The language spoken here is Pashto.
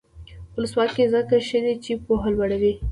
ولسواکي ځکه ښه ده چې پوهه لوړوي.